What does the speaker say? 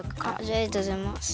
ありがとうございます。